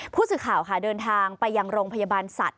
ผู้สื่อข่าวค่ะเดินทางไปยังโรงพยาบาลสัตว